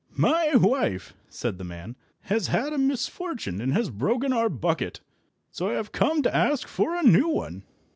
"My wife," said the man, "has had a misfortune, and has broken our bucket. So I have come to ask for a new one."